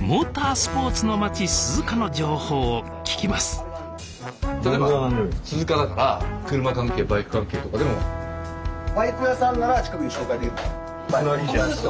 モータースポーツの町鈴鹿の情報を聞きますあほんとですか？